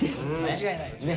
間違いない。